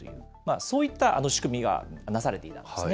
そういった仕組みがなされていたんですね。